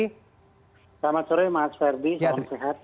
selamat sore mas ferdi salam sehat